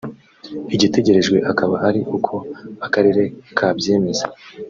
igitegerejwe akaba ari uko akarere kabyemeza